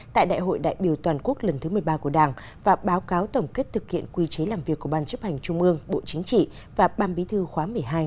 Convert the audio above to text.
tại đại hội đại biểu toàn quốc lần thứ một mươi ba của đảng và báo cáo tổng kết thực hiện quy chế làm việc của ban chấp hành trung ương bộ chính trị và ban bí thư khóa một mươi hai